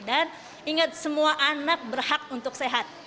dan ingat semua anak berhak untuk sehat